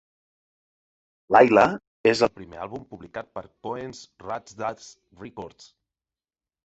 "Lyla" és el primer àlbum publicat per Cohen's Razdaz Recordz.